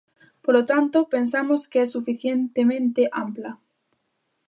Polo tanto, pensamos que é suficientemente ampla.